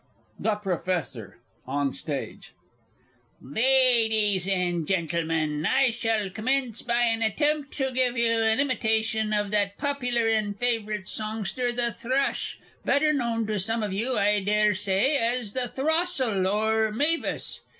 THE PROFESSOR (on Stage). Ladies and Gentlemen, I shall commence by an attempt to give you an imitation of that popular and favourite songster the Thrush better known to some of you, I dare say, as the Throstle, or Mavis!